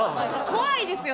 怖いですよ